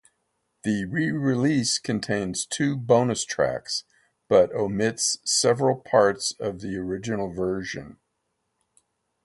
The re-release contains two bonus tracks but omits several parts of the original version.